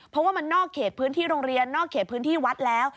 เพราะว่ามันนอกเขตพื้นที่โรงเรียนนอกเขตพื้นที่วัดแล้ว